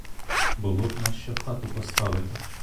Було б на що хату поставити!